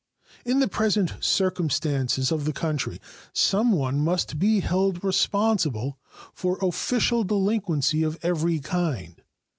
In the present circumstances of the country someone must be held responsible for official delinquency of every kind.